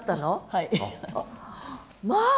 はい。